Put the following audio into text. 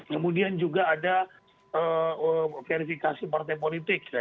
kemudian juga ada verifikasi partai politik ya